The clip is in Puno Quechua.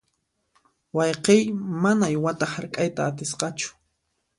Wayqiy mana uywata hark'ayta atisqachu.